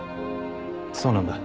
そうなんだ。